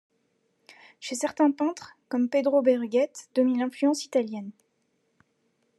Chez certains peintres, comme Pedro Berruguete domine l’influence italienne.